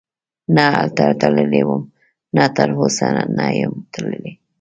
ته هلته تللی وې؟ نه تراوسه نه یم تللی.